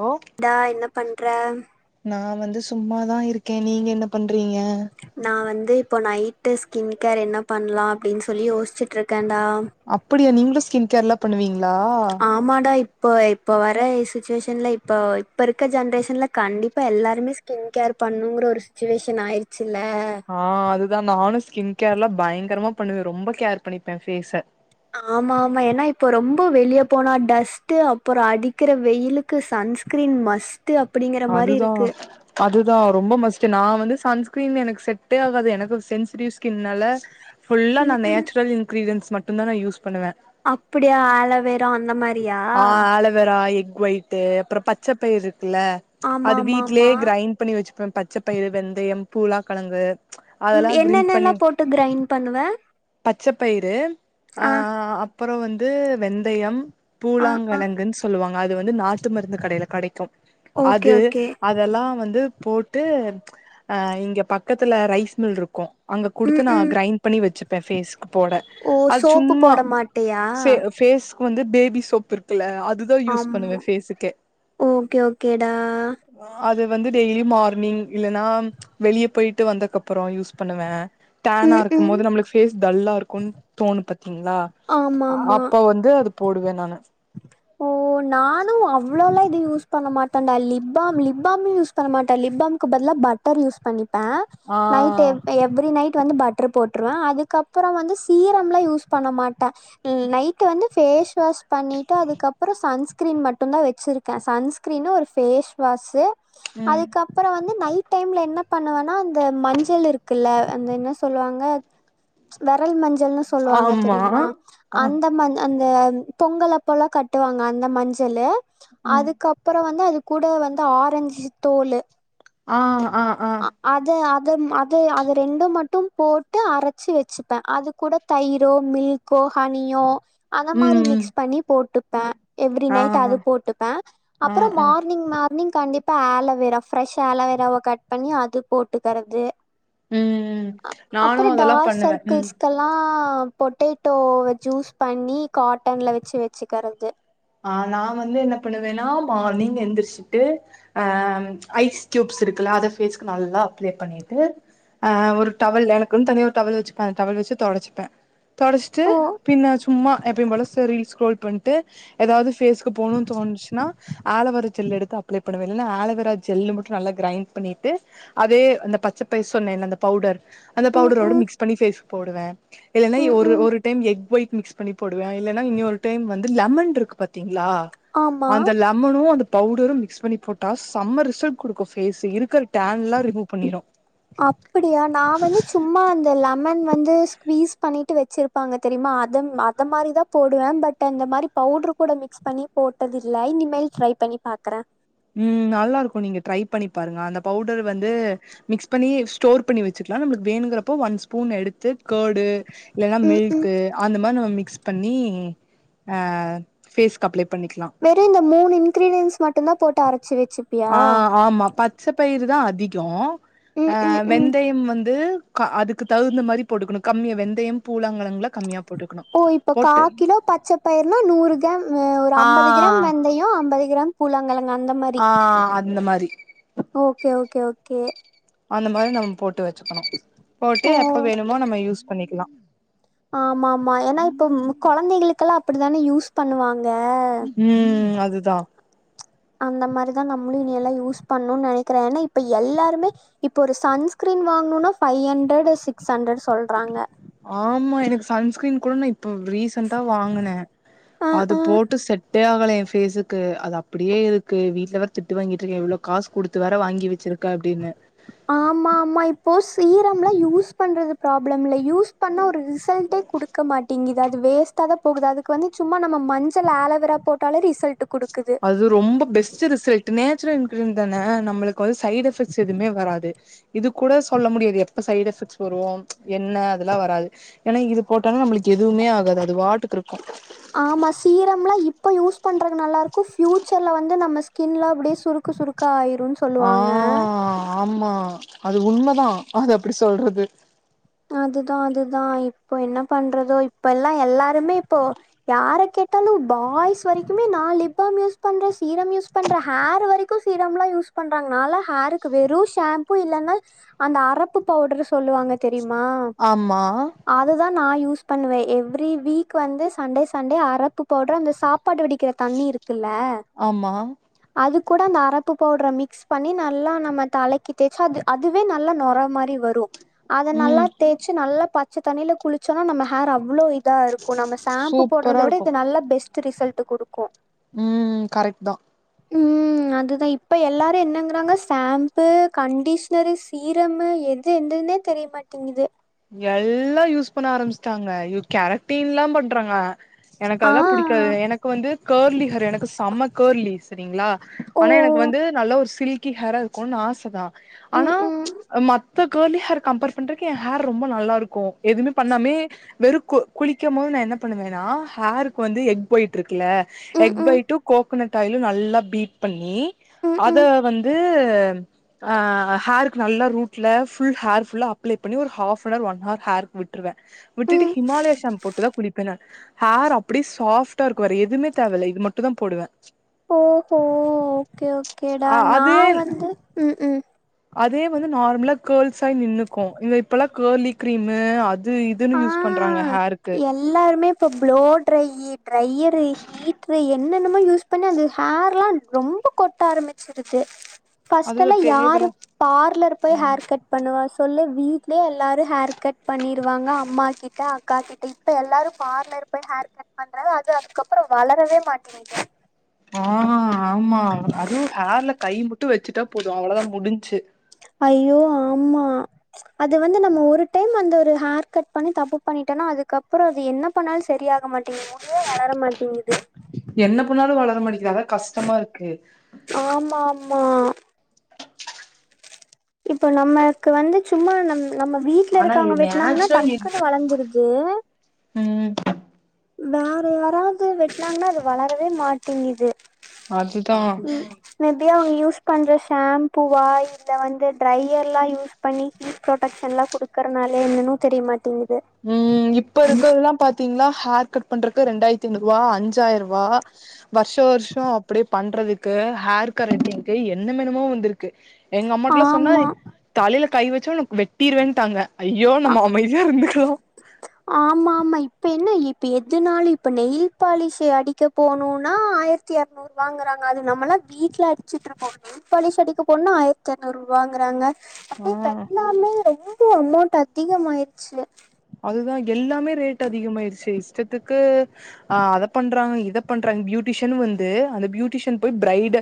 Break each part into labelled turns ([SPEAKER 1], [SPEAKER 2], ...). [SPEAKER 1] ஓ
[SPEAKER 2] டா என்ன பண்ற
[SPEAKER 1] நா வந்து சும்மாதா இருக்கே நீங்க என்ன பண் றீங்க
[SPEAKER 2] து இப்போ நைட் ஸ்கின் கேர் என்ன பண்லா அப்படின்னு சொல்லி யோசிச்சிட்டு இருக்கன்
[SPEAKER 1] அப்படியா நீங்களு ஸ்கின் கேர்ல பண்ணுவீங்ளா
[SPEAKER 2] ஆமாடா இப்போ இப்போ வர்ர சுச்சுவேஷன்ல இப்போ இப்போ இருக்க ஜென்ரேஷன்ல கண்டிப்பா எல்லாருமே ஸ்கின் கேர் பண்ணுங்கிற ஒரு சுச்சுவேஷன் ஆயிருச்சு
[SPEAKER 1] ஆஹ் அதுதா நானு ஸ்கின் கேர்லா பயங்கரமா பண்ணுவ ரொம்ப கேர் பண்ணிப்பே ஃபேஸ
[SPEAKER 2] ஆமா ஆமா ஏனா இப்ப ரொம்ப வெளிய போனா டஸ்ட் அப்புறொ அடிக்கிற வெயிலுக்கு சன்ஸ்கிரீன் மஸ்ட்
[SPEAKER 1] அதுதா அதுதா ரொம்ப மஸ்ட்டு நா வந்து சன்ஸ்கிரீன் எனக்கு செட்டே ஆகாது எனக்கு சென்சிடிவ் ஸ்கின்னால ஃபுல்லா
[SPEAKER 2] ம் ம்
[SPEAKER 1] நேச்சுரல் இங்கிரீடியண்ட்ஸ் மட் டுந்தா யூஸ் பண்ணுவ
[SPEAKER 2] அப்படியா ஆலோவேரோ அந்த மாரி
[SPEAKER 1] ஆஹ் ஆழவேறா ஆயில் ஒயிட்டு அப்புறம் பச்சை பயிரு கில்ல
[SPEAKER 2] ஆமா
[SPEAKER 1] அது
[SPEAKER 2] ஆமா ஆமா
[SPEAKER 1] வீட்லயே கிரைண்ட் பண்ணி வெச்சுப்ப பச்சை பயிறு வெந்தயம் பூலாக்கிழங்கு ப்ச்
[SPEAKER 2] ம்
[SPEAKER 1] அதெல்லா கிரீன் பண்ணி
[SPEAKER 2] என்னென்னல்லா போட்டு கிரைண்ட் பண்ணுவ
[SPEAKER 1] பச்ச பயிறு
[SPEAKER 2] ஆ
[SPEAKER 1] ஆஹ அப்புறம் வந்து வெந்தயம்
[SPEAKER 2] ஆ ஆ
[SPEAKER 1] பூலாங்கிழங்குன்னு சொல்லுவாங்க அது வந்து நாட்டு மருந்து கடையில கிடைக்கு
[SPEAKER 2] ஓகே
[SPEAKER 1] அது
[SPEAKER 2] ஓகே
[SPEAKER 1] அதெல்லா வந்து போட்டு ப்ச் அஹ் இங்க பக்கத்துல ரைஸ் மில் இருக்கு அங்க குடுத்து
[SPEAKER 2] ம்
[SPEAKER 1] நா
[SPEAKER 2] ம்
[SPEAKER 1] கிரைண்ட் பண்ணி வெச்சு பெஸிஸ்
[SPEAKER 2] ஓ சோப்பு போட மாட்டியா
[SPEAKER 1] க்கு வந்து பேபி சோப்பு இருக்கல்ல அது
[SPEAKER 2] ஆமா ஓகே ஓகேடா
[SPEAKER 1] அது வந்து டெய்லி மார்னிங் இல்லைன்னா வெளியே போயிட்டு வந்தக்கப்புறம் யூஸ் பண்ணுவே டேனா
[SPEAKER 2] ம்
[SPEAKER 1] இருக்கும்
[SPEAKER 2] ம்
[SPEAKER 1] போது நம்மளுக்கு பேஸ் டல்லா இருக்கும்னு தோணு பாத்தீங்களா
[SPEAKER 2] ஆமா ஆமா
[SPEAKER 1] அப்ப வந்து அது போடுவே நானு
[SPEAKER 2] ஓ நானும் அவ்வளோல்ல யூஸ் பண்ண மாட்டான்டா லிப்பாம் லிப்பாம்ம் யூஸ் பண்ண மாட்டான் லிப்பாம்க்கு பதில பட்டர் யூஸ் பண்ணி ப்பே
[SPEAKER 1] ஆ
[SPEAKER 2] நைட் எ எவரி நைட் வந்து பட்டரு போட்ருவே அதுக்கப்புறம் வந்து சீரம்லாம் யூஸ் பண்ண மாட்டே. நைட்வந்து பேஸ் வாஷ் பண்ணிட்டு அதுக்கப்புற சன்ஸ்க்ரீன் மட்டும்தா வச்சுிருக்கேன் சன்ஸ்கிரீனு ஒரு ஃபேஸ் வாஷு
[SPEAKER 1] ம்
[SPEAKER 2] அதுக்கப்புற வந்து நைட் டையம்ல என்ன பண்ணுவேனா அந்த மஞ்சள் இருக்குல அந்த என்ன சொல்லுவாங்க வரலி மஞ்சள் ன்னு சொல்லுவாங்க
[SPEAKER 1] ஆமா
[SPEAKER 2] தெரியுமா
[SPEAKER 1] ஆ
[SPEAKER 2] அந்த மஞ்சள் அந்த பொங்கல் அப்பல்லா கட்டுவாங்க அந்த மஞ்சளு
[SPEAKER 1] ம்
[SPEAKER 2] அதுக்கப்புறம் வந்து அதுக்கு கூட வந்து ஆரஞ்சு தோலு
[SPEAKER 1] ஆஹ்
[SPEAKER 2] அதத் அத அதது அதது ரெண்டும் மட்டும் போட்டு அரைச்சு வச்சுப்பேன் அது கூூட தயிரோ மில்கோ ஹனியோ அந்த
[SPEAKER 1] ம்
[SPEAKER 2] மாரி
[SPEAKER 1] ம்
[SPEAKER 2] மிக்ஸ் பண்ணி போட்டு தா எவ்ரி
[SPEAKER 1] ஆ
[SPEAKER 2] நைட்
[SPEAKER 1] ஆ
[SPEAKER 2] அது போட்டுப்பேன்
[SPEAKER 1] ஆ
[SPEAKER 2] அப்புறம்
[SPEAKER 1] ஆ
[SPEAKER 2] மார்னிங் மார்னிங் கண்டிப் ப்ப ஆலவேராஃப்ரெஷ் ஆலவேரா பண்ணி அது போட்டுக்கிறது
[SPEAKER 1] ம் ம்
[SPEAKER 2] அ
[SPEAKER 1] நானு
[SPEAKER 2] அப்புறம்
[SPEAKER 1] அதெல்லா
[SPEAKER 2] டார்க்
[SPEAKER 1] பண்ணுவே ம்
[SPEAKER 2] சர்க்கிள்ஸ்கெல்லாம் பொட்டேட்டோவை ஜூஸ் பண்ணி காட்டன்ல வச்சு வச்சுக்கிறது
[SPEAKER 1] ஆஹ் நா வந்து எனக்கு என்னவேன்னா மார்னிங் எழுந்திரிச்சுட்டு அஹ் ஐஸ் க்யூப்ஸ் இருக்குல்ல அதை பேஸ்கு நல்லா அப்ளை பண்ணிட்டு அஹ் ஒரு டவல் எனக்குன்னு தனிய ஒரு டவல் வச்சுப்பே அந்த டவல் வச்சு தொடச்சுப்பே தொடடைச்சிட்டு
[SPEAKER 2] ஓ
[SPEAKER 1] பின்ன சும்மா எப்பயும் போல [unintelligible] பண்ணிட்டு போ எதாவது ஃபேஸுக்கு போகணு தோணுச்சன்னா ஆலவரா ஜெல் எடுத்து அப்ளை பண்ணுவேன் இல்லைன்னா ஆலோவரா ஜெல்லு மட்டும் நல்லா கிரைண்ட் பண்ணிட்டு அதே அந்த பச்சை பைச [unintelligible] அந்த பவுடர் அந்த
[SPEAKER 2] ம்
[SPEAKER 1] பவுடரோட
[SPEAKER 2] ம்
[SPEAKER 1] மிக்ஸ் பண்ணி பேஷ் போடுவே இல்ன்னா
[SPEAKER 2] ம்
[SPEAKER 1] ஒரு
[SPEAKER 2] ம்
[SPEAKER 1] ஒரு டைம் எக் ஒயிட் மிக்ஸ் பண்ணி போடுவேன் இல்லைன்னா இன்னி ஒரு டைம் வந்து லெமன் இருக்கும் பத்தீங் லா
[SPEAKER 2] ஆமா
[SPEAKER 1] அந்த லெமனும் அந்த பவுடரும் மிக்ஸ் பண்ணி போட்டா செம ரிசல்ட் கொடுக்கும் பேஸு இருக்க
[SPEAKER 2] அப்படியா நா வந்து சும்மா அந்த லெமன் வந்து ஸ்க்வீஸ் பண்ணிட்டு வச்சிருப்பாங்க தெரியுமா அத அத மாரி தா போடுவே பட் அந்த மாரி பவுட்ரு கூட மிக்ஸ் பண்ணி போட்டதில்ல இனிமல் ட்ரை பண்ணி பாக்கற
[SPEAKER 1] உம் நல்லா இருக்கு நீங்க ட்ரை பண்ணி பாருங்க அந்த பவுடர் வந்து மிக்ஸ் பண்ணி ஸ்டோர் பண்ணி வச்சுக்கலா நமளுக்கு வேணுங்கறப்போ ஒன் ஸ்பூன் எடுத்து கர்டு இல்லன்னா
[SPEAKER 2] ம் ம்
[SPEAKER 1] மில்க் அந்த மாரி நம்ம மிக் மிக்ஸ் பண்ணி எ ஃபேசுக்கு அப்ளை பண்ணிக்கலா
[SPEAKER 2] வெறு இந்த மூனு இன்கிரீடியன்ஸ் மட்டுநாதா போட் ட
[SPEAKER 1] ஆஹ் ஆமா பச்ச பயிரு தா அதிக
[SPEAKER 2] ம் ம்
[SPEAKER 1] அஹ்
[SPEAKER 2] ம்
[SPEAKER 1] வெந்தயம் வந்து கா அதுக்கு தகுந்த மாரி போட்டுக்கனு கம்மியா வெந்தயம், பூழாங்கழங்கள்ள கம்மியா போட்டுக்கணு
[SPEAKER 2] ஓ இப்போ கா
[SPEAKER 1] போட்டு
[SPEAKER 2] கிலோ பச்ச பயிர்னா நூறு கிராம் ஒரு
[SPEAKER 1] ஆ
[SPEAKER 2] அம்பது கிராம் வெந்தயம் அம்பது கிராம் பூலாங்கழ
[SPEAKER 1] ஆஹ் அந்த மார்
[SPEAKER 2] ஓகே ஓகே ஓகே
[SPEAKER 1] அந்த மாரி நம்ம போட்டு வச் க்கணு போட்டு
[SPEAKER 2] ஓ
[SPEAKER 1] எப்ப வேணுமோ நம்ம யூஸ் பண்ணிக்லா
[SPEAKER 2] ஆமாமா ஏன்னா இப்பம் கொழந்தைகளுக் க்கள அப்படித்தான யூஸ் பண்ணுவாங் க
[SPEAKER 1] துதா
[SPEAKER 2] அந்த மாரிதா நம்ளு இனியெல்லா யூஸ் பண்ணுன் நெனைக்கிறே ஏன்னா இப்ப எல்லாருமே இப்ப ஒரு சன்ஸ்கிரீன் வாங்குனுனா ஃபைவ் ஹண்ட்ரட் சிக்ஸ் ஹன்ட்ரட்
[SPEAKER 1] ஆமா எனக்கு சன்ஸ்கிரீன் கூட நா இப்ப ரீசன்டா வாங்குனே
[SPEAKER 2] அ
[SPEAKER 1] அது போட்டு செட் ட்டே ஆவல என் ஃபேசுக்கு அது அப்டியே இருக்கு வீட்ல வேற திட்டு வாங்கிட்டுருக்கே இவ்ளோ காசு குடுத்து வேற வாங்கி வச்சிருக்க அப்படின்னு
[SPEAKER 2] ஆமாமா இப்போ சீரம்ல யூஸ் பண்றது ப்ராப்ளம் இல்ல யூஸ் பண்ணா ஒரு ரிசல்டே குடுக்க மாட்டேங்கிது அது வேஸ்ட்டாதா போகுது அதுக்கு வந்து சும்மா நம்ம மஞ்சள் ஆலேவேரா போட்டாலே ரிசல்ட் குடுக்
[SPEAKER 1] அது ரொம்ப பெஸ்ட் ரிசல்ட் நேச்சர ருந்தனே நம்மளுக்கு வந்து சைடு் எஃபெக்ட்ஸ் எதுமே வராது இதுகூட சொல்ல முடியாது எப்ப சைடு எஃபெக்ட்ஸ் வரும் என்ன அதெல்லா வராது ஏன்னா இது போட்டாலே நம்மளுக்கு எதுவுமே ஆகாது அது வாட்டுக்கிருக்கு
[SPEAKER 2] ஆமா சீரம்லாம் இப்ப யூஸ் பண்றதுக்கு நல்லாருக்கும் ப்பயூச்சர்ல வந்து நம்ம ஸ்கின்லா அப்டியே சுருக்கு சுருக்கா ஆயிரும்
[SPEAKER 1] ஆஹ் ஆமா அது உண்மதா அது அப்டி சொல்றது
[SPEAKER 2] அதுதா அதுதா இப்போ என்ன பண்றதோ இப்ப எல்லா எல்லாருமே இப்போ யார கேட்டாலும் பாய்ஸ் வரைக்குமே நா லிப்பாம் யூஸ் பண்றே சீரம் யூஸ் பண்றே ஹேர் வரைக்கு சீரம்ல்லாம் யூஸ் பண்றாங்க நாலா ஹேருக்கு வெறும் ஷாம்பூ இல்லன்னா அந்த அரப்பு பவுட்ரு சொல்லுவாங்க தெரியுமா
[SPEAKER 1] ஆமா
[SPEAKER 2] அதுதா நா யூஸ் பண்ணுவே எவ்ரி வீக் வந்து சண்டே சண்டே அரப்பு பவுடர் அந்த சாப்பாடு வடிக்கிற தண்ணி இருக் குல்ல
[SPEAKER 1] ஆமா
[SPEAKER 2] அதுக் கூட அந்த அரப்பு பவுட்ர மிக்ஸ் பண்ணி நல்லா நம்ம தலக்கி தேச்சா அது அதுவே நல்லா நொர மாரி வரு அத நல்லா
[SPEAKER 1] ம்
[SPEAKER 2] தேச்சு நல்லா பச்சத் தண்ணியில குளிச் சோனா நம்ம ஹேர் அவ்ளோ இதா இருக்கு நம்ம சாம்ப்பு போட்றத
[SPEAKER 1] சூப்பரா
[SPEAKER 2] விட இது நல்ல பெஸ்ட் டு ரிசல்ட்டு குடுக்கு
[SPEAKER 1] உம் கரெக்ட்தா
[SPEAKER 2] ம் அதுதா இப்ப எல்லாரு என்னங்கிறாங்க சாம்ப்பு கண்டிஷ்னரு சீரமு எது எந்ததுன்னே தெரியமாட்டிங்கிது
[SPEAKER 1] எல்லா யூஸ் பண்ண ஆரம்பிச்சிட்டாங்க யோ கேரட்டீன்லா பண்றாங்க எனக்கு
[SPEAKER 2] ஆ
[SPEAKER 1] அதல்லா புடிக்காது எனக்கு வந்து கேர்லி ஹேர் எனக்கு செம்ம கேர்லி செரிங்களா
[SPEAKER 2] ஓ
[SPEAKER 1] ஆனா எனக்கு வந்து நல்ல ஒரு சில்க் கி ஹேரா இருக்கொன் ஆசதா
[SPEAKER 2] ம்
[SPEAKER 1] ஆனா
[SPEAKER 2] ம்
[SPEAKER 1] அ மத் த கார்லி ஹேர் கம்ப்பேர் பண்றக்கு ஏ ஹேர் ரொம்ப நல்லா இருக்கு எதுமே பண்ணாமயே வெறு கு குளிக்கம் போது நா என்ன பண்ணுவேன்னா ஹேருக்கு வந்து எக் ஒயிட்ருக் க்குல
[SPEAKER 2] ம்
[SPEAKER 1] எக்
[SPEAKER 2] ம்
[SPEAKER 1] ஒயிட்டு கோக் கனட் ஆயிலு நல்லா பீட் பண்ணி
[SPEAKER 2] ம்
[SPEAKER 1] அத
[SPEAKER 2] ம்
[SPEAKER 1] வந்து அ ஆ ஹேருக்கு நல்லா ரூட்ல ஃபுல் ஹேர் ஃபுல்லா அப்ளே பண்ணி ஒரு ஹாஃப்னவர் ஒன் ஹார் ஹேருக்கு விட்ருவ விட்டுட்டு
[SPEAKER 2] ம்
[SPEAKER 1] ஹிமாலயா ஷாம்ப் போட்டுதா குளிப்பே நா ஹேர் அப்டியே சாஃப்ட்டா இருக்கும் வேற எதுமே தேவல்ல இது மட்டு தா போடுவ
[SPEAKER 2] ஓஹோ ஓகே ஓகேடா
[SPEAKER 1] அ
[SPEAKER 2] நா
[SPEAKER 1] அதே
[SPEAKER 2] வந்து உம் உம்
[SPEAKER 1] அதே வந்து நார்மலா கேர்ள்ஸாய் நின்னுக்கு இந்த இப்பல்லா கேர்லி க்ரீமு அ
[SPEAKER 2] ஆஹ் எல்லாருமே இப்ப ப்ளோ ட்ரையி ட்ரையரு ஹீட்ரு எ என்னென்னமோ யூஸ் பண்ணி அந்த ஹேர்லா ரொம்ப கொட்ட ஆரம்பிச்சிருது
[SPEAKER 1] அதுதா
[SPEAKER 2] ஃபஸ்ட்டெல்லா யாரு
[SPEAKER 1] தேவல
[SPEAKER 2] பார்லர் போய் ஹேர் கட் பண்ணுவா சொல்லு வீட்லயே எல்லாரு ஹேர் கட் பண்ணிரு வாங்க அம்மா கிட்ட அக்கா கிட்ட இப்ப எல்லாரும் பார்லர் போய் ஹேர் கட் பண்றது அது அதுக்கப்பறோ வளரவே மாட்டிங்கிது
[SPEAKER 1] ஆ ஆமா அரு ஹேர்ல கை மட் ட்டு வச்சுட்டா போது அவ்ளோதா முடிஞ்சு
[SPEAKER 2] ஐயோ ஆமா அது வந்து நம்ம ஒரு டைம் அந்த ஒரு ஹேர் கட் பண்ணி தப்பு பண்ணிட்டோனா அதுக்கப்புறோ அது என்ன பண்ணாலு சரிய ஆாகமாட்டீங்க [inaudible] வளர மாட்டேங்கிது
[SPEAKER 1] ன்னாலு வளரமாட்டிக்கிறாங்க கஷ்டமாருக்கு
[SPEAKER 2] மா இப்போ நம்மளுக்கு வந்து சும்மா நம் நம்ம வீட்ல
[SPEAKER 1] ஆனா
[SPEAKER 2] இருக்காங்க
[SPEAKER 1] இது
[SPEAKER 2] வெட்னாங்கன்னா
[SPEAKER 1] நேச்சுரல்
[SPEAKER 2] டக்குன்னு வளர்ந்துருது
[SPEAKER 1] உம்
[SPEAKER 2] வேற யாராவது வெட்னாங்கன்னா அது வளரவே மாட்டிங்கிது
[SPEAKER 1] அதுதா
[SPEAKER 2] ம் மேபி அவுங்க யூஸ் பண்ற ஷேம்பூவா இல்ல வந்து ட்ரையர்லா யூஸ் பண்ணி ஹீட் ப்ரொடக்ஷன்லா குடுக்குறனால என்னென்னு தெரியமாட்டேங்
[SPEAKER 1] உம் இப்ப இருக்கரதெல்லா பாத்தீங்னா ஹேர் கட் பண்றக்கு ரெண்டாயிரத்தி ஐநூறுவா அஞ்சாயிருவா வருஷ வருஷோ அப்புடி பண்றதுக்கு ஹேர் கரட்டிங்கு என்னமென்னமோ வந்துருக்கு எங்க அம்மாடலா சொன்னா
[SPEAKER 2] ஆமா
[SPEAKER 1] தலையில கை வெச்சா உன் வெட்டீருவேன்ட்டாங்க ஐயோ
[SPEAKER 2] ஆ
[SPEAKER 1] நம்ம அமைதியா இருந்துக்
[SPEAKER 2] ஆமா ஆமா இப்ப என்ன இவ் இப்ப எதுனாலு இப்ப நெயில் பாலிஷ் அடிக்க போணுன்னா ஆயிரத்தி இரநூறுவாங்கறாங்க அது நம்மளா வீட்ல அடிச்சிட்டு இருப்போ நெயில் பாலிஷ் அடிக்க போணுன்னா ஆயிரத்தி இரநூறுவாங்கறாங்க
[SPEAKER 1] ஆ
[SPEAKER 2] அப்டே வெட்னாலே [unintelligible] பொ அமௌண்ட் அதிக் அதிகமாயிருச்சு
[SPEAKER 1] அது தா எல்லாமே ரேட் அதிகமாயிருச்சு இஷ்டத்துக்கு அ அத பண்றாங்க இத பண்றாங்க பியூட்டிசியனு வந்து அந்த பியூட்டிசியன் போய் ப்ரைட்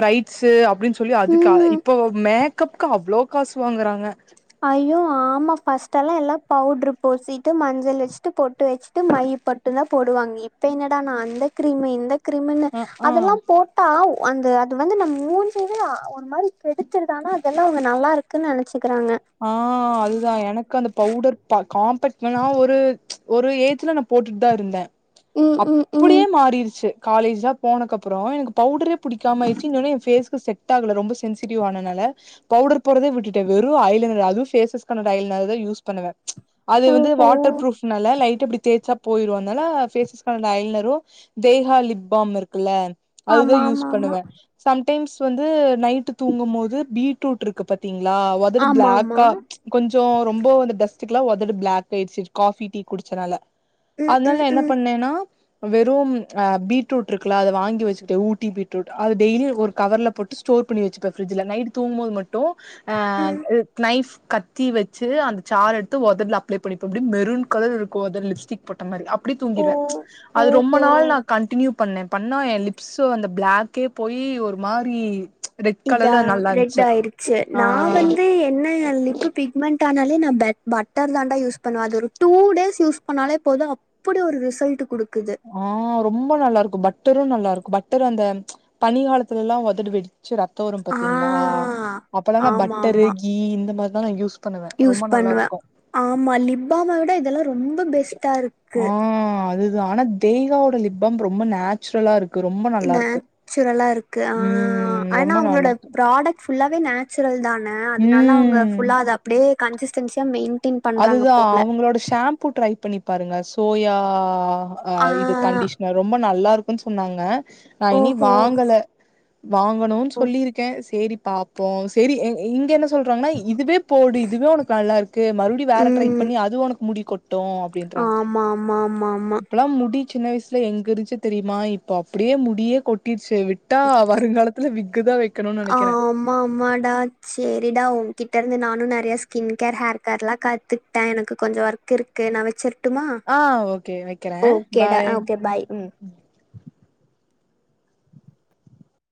[SPEAKER 1] ப்ரைட்ஸு சொல்லி அதுக்கு ஆ
[SPEAKER 2] ம்
[SPEAKER 1] இப்போ மேக் கப்க்கு அவ்ளோ காசு வாங்கறாங்க
[SPEAKER 2] ஐயோ ஆமா ஃபர்ஸ்ட்ல்லா எல்லா பவுடரு பூசிட்டு மஞ்சள் வெச்சுட்டு பொட்டு வெச்சுட்டு மை பொட்டுதா போடுவாங்க இப்ப என்னடானா அந்த க்ரீம் இந்த க் க்ரீம்னு
[SPEAKER 1] அ ஆ
[SPEAKER 2] அதெல்லா போட்டா அந்த அது வந்து நம்ம மூஞ்சவே ஒரு மாதிரி கெடுத்துருது ஆனா அதெல்லா அவுங்க நல்லா இருக்குன்னு நெனைச்சுக்கறாங்க
[SPEAKER 1] ஆஹ் அதுதா எனக்கு அந்த பவுடர் காம்பக்ட் நா ஒரு ஒரு ஏஜ்ல நா போட்டுட்டு தா இருந்தே
[SPEAKER 2] ம் ம் ம்
[SPEAKER 1] அப்புடியே மாறிடுச்சு காலேஜ்லா போனக்கப்புறோ எனக்கு பவுடரே பிடிக்காம ஆயிடுச்சு இன்னொன்னு என் ஃபேஷ்க்கு செட் ஆகல ரொம்ப சென்சிடிவ் ஆனனால பவுடர் போடறதே விட்டுட்டே வெறு ஐ லைனர் அது ஃபேஸஸ்கனடா ஐலைனர்தா யூஸ் பண்ணுவே அது வந்து
[SPEAKER 2] ஓஹோ
[SPEAKER 1] வாட்டர் புரூஃப்னால லை இப்டி தேய்ச்சா போயிரு அதனால ஃபேஸஸ்கனடா ஐலைனரு தேஹா லிப் பாம் இருக்குல்ல அதுதா
[SPEAKER 2] ஆமா
[SPEAKER 1] யூஸ்
[SPEAKER 2] ஆமா ஆமா
[SPEAKER 1] பண்ணுவே சம் டைம்ஸ் வந்து நைட் தூங்கும் போது பீட்ரூட் இருக்கு பாத்தீங்களா
[SPEAKER 2] ஆமா ஆமா
[SPEAKER 1] பிளாக்கா கொஞ் கொஞ்ச ரொம்போ அந்த டஸ்ட்டுக்கு எல்லா ஒதடு பிளாக் ஆயிச்சி இப்ப காஃபி டீ குடிச்சனால
[SPEAKER 2] ம்
[SPEAKER 1] அதனால
[SPEAKER 2] ம்
[SPEAKER 1] என்ன
[SPEAKER 2] ம்
[SPEAKER 1] பண்ணேன்னா வெறும் ஆஹ் பீட்ரூட் இருக்குல்லா அது வாங்கி வச்சுக்கிட்டு ஊட்டி பீட்ரூட் அது டெய்லி ஒரு கவர்ல போட்டு ஸ்டோர் பண்ணி வச்சுப்பே ஃபிரிட்ஜ்ல நைட் தூங்கும்போது மட்டு ஆஹ்
[SPEAKER 2] ம்
[SPEAKER 1] இ நைஃப் கத்தி வச்சு அந்த சாறு எடுத்து ஒதட்ல அப்ளை பண்ணிப்பே அப்டியே மெருன் கலர்ல இருக்கு ஒதடு அப்டியே லிப்ஸ்டிக் போட்ட மாரி அப்டியே
[SPEAKER 2] ஓ
[SPEAKER 1] தூங்கிருவே அது ரொம்ப
[SPEAKER 2] ஓஹோ
[SPEAKER 1] நாள் நா கன்டினியூ பண்ணே பண்ணா என் லிப்ஸ அந்த பிளாக்கே போய் ஒரு மாரி ரெட்
[SPEAKER 2] இதா
[SPEAKER 1] கலர்ல நல்லா
[SPEAKER 2] ரெட்
[SPEAKER 1] இருந்துச்சு
[SPEAKER 2] ஆயிருச்சு நா
[SPEAKER 1] ஆ
[SPEAKER 2] வந்து என்ன லி இப்ப பிக்மெண்ட் ஆனாலே நா பெ பட்டர் தாண்டா யூஸ் பண்ணுவே அது ஒரு டூ டேஸ் யூஸ் பண்ணாலே போது அப்டி ஒரு ரிசல்ட் குடுக்
[SPEAKER 1] ஆஹ் ரொம்ப நல்லா இருக்கு பட்டரு நல்லா இரு பட்டரு அந்த பனி காலத்துல எல்லா ஒதடு வெடி ச்சு ரத்த வரு
[SPEAKER 2] ஆ
[SPEAKER 1] பாத்தீங்களா அப்பல்லா நா
[SPEAKER 2] ஆமா
[SPEAKER 1] பட்டரு
[SPEAKER 2] ஆமா
[SPEAKER 1] கீ இந்த மா மா நா யூஸ் பண்ணுவே.
[SPEAKER 2] யூஸ்
[SPEAKER 1] ரொம்ப
[SPEAKER 2] பண்ணுவே
[SPEAKER 1] நல்லாருக்கும்.
[SPEAKER 2] ஆமா லிப்பாம விட இது ரொம்ப பெஸ்ட்டா இருக்கு
[SPEAKER 1] ஆ அதுதா ஆனா தெய்வாவோட லிப்பாம் ரொம்ப நேச்சுரலா இருக்
[SPEAKER 2] இந்நேச்சுரலா இருக்கு ஆஹ்
[SPEAKER 1] ம்
[SPEAKER 2] ஆனா
[SPEAKER 1] ரொம்ப
[SPEAKER 2] அவுங்களோட
[SPEAKER 1] நல்லாருக்கு.
[SPEAKER 2] ப்ராடக்ஸ் ஃபுல்லாவே நேச்சுரல் தா அ அதுனால அவுங்க
[SPEAKER 1] ம்
[SPEAKER 2] ஃபுல்லா அத அப்டியே கன்சிஸ்டன்சியா மெயின்
[SPEAKER 1] அதுதா அவுங்களோட ஷாம்பூ ட்ரை பண்ணிப் பாருங்க சோயா அ
[SPEAKER 2] ஆ
[SPEAKER 1] ஆஹ இது கண்டிஷ்னர் ரொம்ப நல்லாருக் க்கு சொன்னாங்க நா இனி
[SPEAKER 2] ஓஹோ
[SPEAKER 1] வாங்கல வாங்கணுனு
[SPEAKER 2] ஓ
[SPEAKER 1] சொல்லியிருக்கே சேரி பாப்போ சேரி இங் இங்க என்ன சொல்றாங்கன்னா இதுவே போடு இதுவே ஒனக்கு நல்லா இருக்கு வேற ட்ரை
[SPEAKER 2] ம்
[SPEAKER 1] பண்ணி அது ஒனக்கு முடிக்கொட் ட்டு அப்டின்றாங்க
[SPEAKER 2] ஆமா ஆமா ஆமா ஆமா
[SPEAKER 1] இப்பல்லா முடி சின்ன வயசுல எங்கருந்துச்சு தெரியுமா இப்ப அப்டியே முடியே கொட்டி ச்சு விட்டா வருங்காலத்துல விக்குதா வக்கணுனு நெனக்கிறே
[SPEAKER 2] ஆமா டருந்து நானு நெறைய ஸ்கின் கேர் ஹேர் கேர்ல்லா கத்துட்டே எனக்கு கொஞ்சோ ஒர்க் இருக்கு நா வச்சிரு
[SPEAKER 1] ஆ ஓகே வக்கிறே பாய்
[SPEAKER 2] ஓகே பாய் ம்